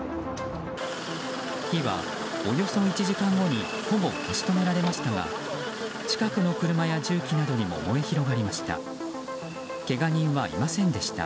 火は、およそ１時間後にほぼ消し止められましたが近くの車や重機などにも燃え広がりました。